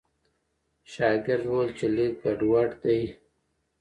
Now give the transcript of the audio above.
شاګرد وویل چې لیک ګډوډ دی.